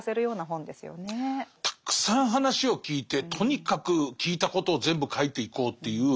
たくさん話を聞いてとにかく聞いたことを全部書いていこうという。